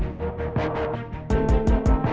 ayo kecil bu pastachi